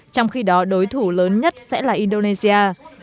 trong khi đó đối thủ lớn nhất sẽ là indonesia